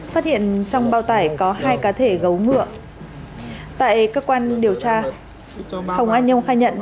phát hiện trong bao tải có hai cá thể gấu ngựa tại cơ quan điều tra hồng an nhông khai nhận